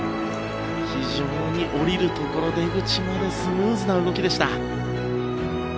非常に降りるところ出口までスムーズな動き。